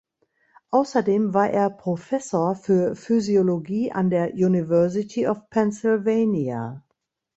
Außerdem war er Professor für Physiologie an der University of Pennsylvania.